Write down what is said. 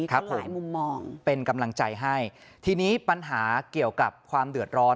ครับผมมองเป็นกำลังใจให้ทีนี้ปัญหาเกี่ยวกับความเดือดร้อน